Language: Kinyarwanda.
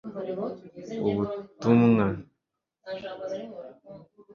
ubutumwa